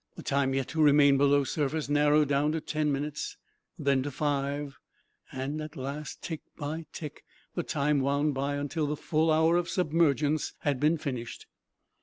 The time yet to remain below surface narrowed down to ten minutes, then to five. At last, tick by tick, the time wound by until the full hour of submergence had been finished.